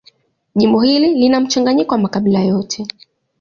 Jimbo hili lina mchanganyiko wa makabila yote.